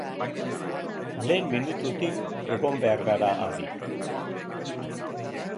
Lehen minututik egon behar gara adi.